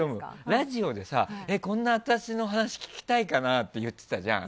ラジオで、こんな私の話聞きたいかなって言ってたじゃん。